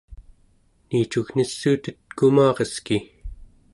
niicugnissuutet kumareski